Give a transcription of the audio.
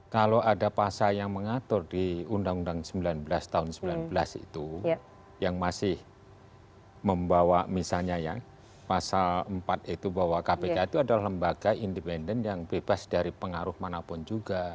kalau ada pasal yang mengatur di undang undang sembilan belas tahun sembilan belas itu yang masih membawa misalnya ya pasal empat itu bahwa kpk itu adalah lembaga independen yang bebas dari pengaruh manapun juga